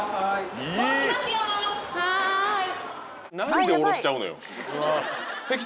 はい！